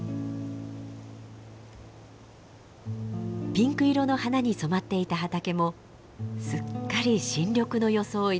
ピンク色の花に染まっていた畑もすっかり新緑の装いです。